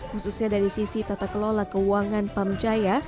khususnya dari sisi tata kelola keuangan pamjaya